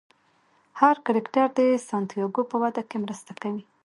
هر کرکټر د سانتیاګو په وده کې مرسته کوي.